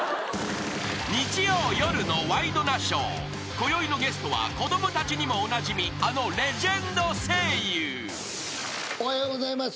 ［こよいのゲストは子供たちにもおなじみあのレジェンド声優］おはようございます。